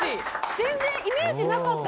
全然イメージなかったです